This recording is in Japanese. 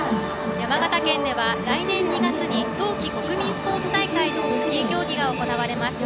山形県では来年２月に冬季国民スポーツ大会のスキー競技が行われます。